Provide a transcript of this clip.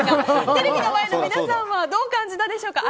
テレビの前の皆さんはどう感じたでしょうか。